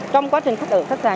trong quá trình khách ở khách sạn